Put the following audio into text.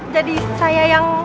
jadi saya yang